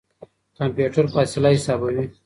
کمپيوټر فاصله حسابوي.